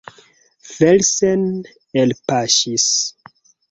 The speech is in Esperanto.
Felsen elpaŝis.